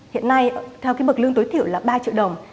hiện nay theo cái bậc lương tối thiểu là ba triệu đồng